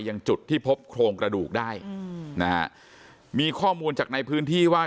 ยังจุดที่พบโครงกระดูกได้อืมนะฮะมีข้อมูลจากในพื้นที่ว่า